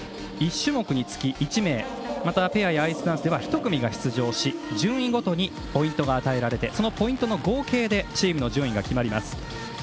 １種目につき１名またペアやアイスダンスでは１組が出場し、順位ごとにポイントが与えられてそのポイントの合計でチーム順位が決まります。